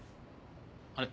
あれ？